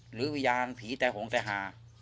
วิญญาณผีแต่หงแต่หา